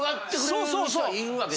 そうそうそう！